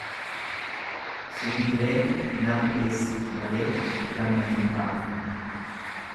Simbireen nama geessiti malee damma hin baaftu.